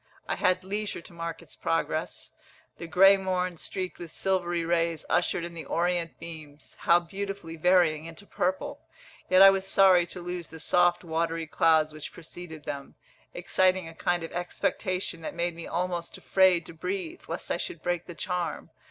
I had leisure to mark its progress. The grey morn, streaked with silvery rays, ushered in the orient beams (how beautifully varying into purple!), yet I was sorry to lose the soft watery clouds which preceded them, exciting a kind of expectation that made me almost afraid to breathe, lest I should break the charm.